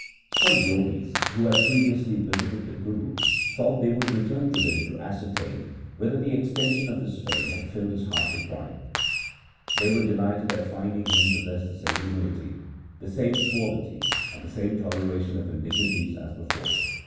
Some Jogis who had previously visited the Guru thought they would return to him to ascertain whether the extension of his fame had filled his heart with pride. They were delighted at finding him possess the same humility, the same suavity, and the same toleration of indignities as before.